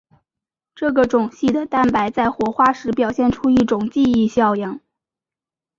这个种系的蛋白在活化时表现出一种记忆效应。